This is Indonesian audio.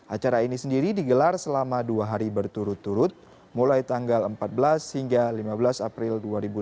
acara ini sendiri digelar selama dua hari berturut turut mulai tanggal empat belas hingga lima belas april dua ribu delapan belas